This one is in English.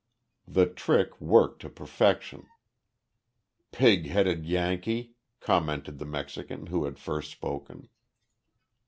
The trick worked to perfection. "Pig headed Yankee," commented the Mexican who had first spoken.